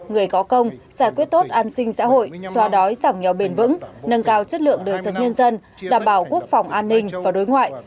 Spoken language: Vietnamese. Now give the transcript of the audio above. người có công giải quyết tốt an sinh xã hội xoa đói giảm nghèo bền vững nâng cao chất lượng đời sống nhân dân đảm bảo quốc phòng an ninh và đối ngoại